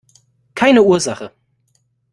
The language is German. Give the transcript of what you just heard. Keine Ursache!